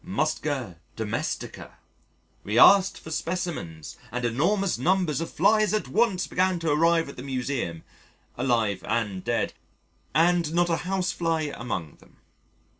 Musca domestica. We asked for specimens and enormous numbers of flies at once began to arrive at the Museum, alive and dead and not a Housefly among them!